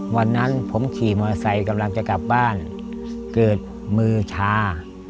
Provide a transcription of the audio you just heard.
วันนั้นผมขี่มอเตอร์ไซค์กำลังจะกลับบ้านเกิดมือชา